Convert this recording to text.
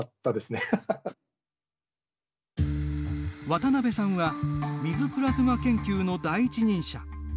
渡辺さんは水プラズマ研究の第一人者。